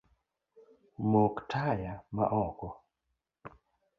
Mok taya maoko